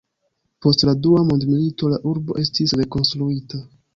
Post la dua mondmilito, la urbo estis rekonstruita.